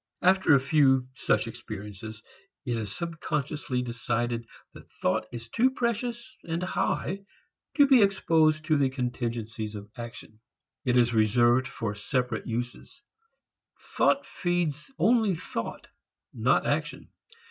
After a few such experiences, it is subconsciously decided that thought is too precious and high to be exposed to the contingencies of action. It is reserved for separate uses; thought feeds only thought not action.